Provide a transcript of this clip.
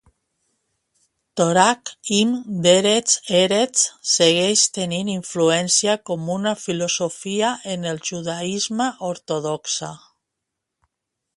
"Torah im Derech Eretz" segueix tenint influència com una filosofia en el judaisme ortodoxe.